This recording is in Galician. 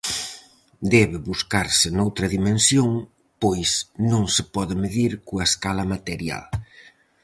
Debe buscarse noutra dimensión, pois non se pode medir coa escala material.